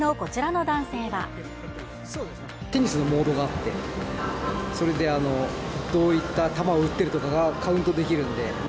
テニスのモードがあって、それでどういった球を打ってるとかがカウントできるんで。